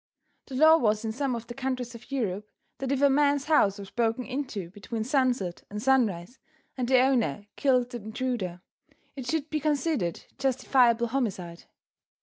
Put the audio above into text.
The law was in some of the countries of Europe, that if a man's house was broken into between sunset and sunrise and the owner killed the intruder, it should be considered justifiable homicide.